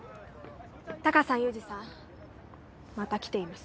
タカさんユージさんまた来ています。